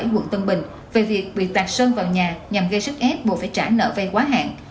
quận tân bình về việc bị tạt sơn vào nhà nhằm gây sức ép buộc phải trả nợ vay quá hạn